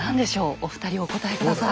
お二人お答え下さい。